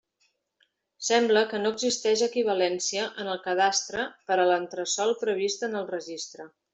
Sembla que no existeix equivalència en el Cadastre per a l'entresòl previst en el Registre.